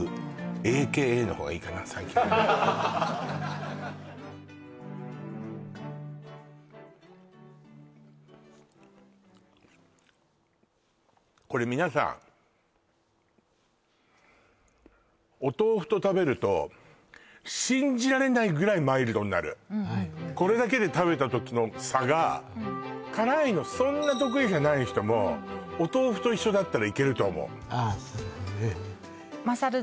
ａ．ｋ．ａの方がいいかな最近はこれ皆さんお豆腐と食べると信じられないぐらいマイルドになるこれだけで食べた時の差が辛いのそんな得意じゃない人もお豆腐と一緒だったらいけると思うまさる